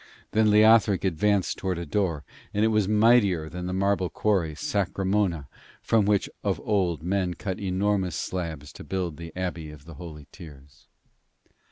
Then Leothric advanced towards a door, and it was mightier than the marble quarry, Sacremona, from which of old men cut enormous slabs to build the Abbey of the Holy Tears.